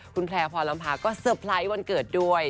คุณแพร่พรลำพาก็เซอร์ไพรส์วันเกิดด้วย